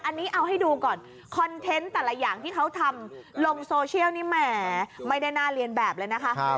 อันนี้เอาให้ดูก่อนคอนเทนต์แต่ละอย่างที่เขาทำลงโซเชียลนี่แหมไม่ได้น่าเรียนแบบเลยนะคะ